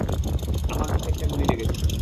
আমার বুকে একটা গুলি লেগেছিল।